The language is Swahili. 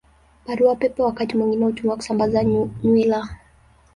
Barua Pepe wakati mwingine hutumiwa kusambaza nywila.